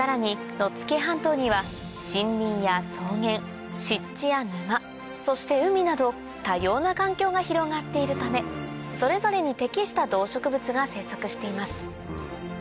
野付半島には森林や草原湿地や沼そして海など多様な環境が広がっているためそれぞれに適した動植物が生息しています